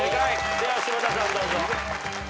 では柴田さんどうぞ。